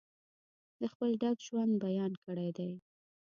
د خپل ډک ژوند بیان کړی دی.